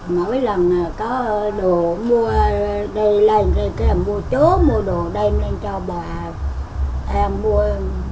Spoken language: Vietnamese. mỗi lần có đồ mua đây lên cái là mua chỗ mua đồ đây lên cho bà em mua